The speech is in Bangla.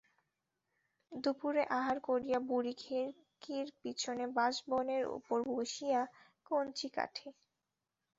দুপুরে আহার করিয়া বুড়ি খিড়কির পিছনে বাঁশবনের উপর বসিয়া কঞ্চি কাটে।